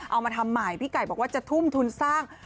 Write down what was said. เอามาทำใหม่พี่ไก่บอกว่าจะทุ่มทุนสร้าง